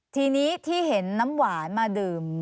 ทีนี้ที่เห็นน้ำหวานมาดื่ม